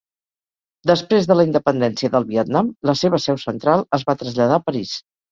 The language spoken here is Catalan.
Després de la independència del Vietnam, la seva seu central es va traslladar a París.